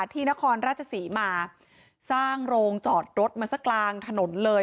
นครราชศรีมาสร้างโรงจอดรถมาซะกลางถนนเลย